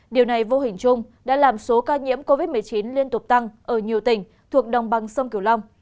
điều này vô hình chung đã làm số ca nhiễm covid một mươi chín liên tục tăng ở nhiều tỉnh thuộc đồng bằng sông kiều long